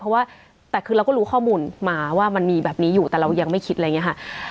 เพราะว่าแต่คือเราก็รู้ข้อมูลมาว่ามันมีแบบนี้อยู่แต่เรายังไม่คิดอะไรอย่างนี้ค่ะ